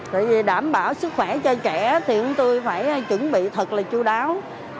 tại vì đảm bảo sức khỏe cho trẻ thì chúng tôi phải chuẩn bị thật là chú đáo